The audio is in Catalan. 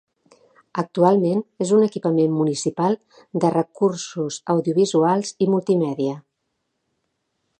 Actualment és un equipament municipal de recursos audiovisuals i multimèdia.